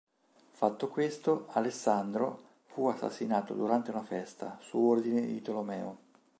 Fatto questo, Alessandro fu assassinato durante una festa su ordine di Tolomeo.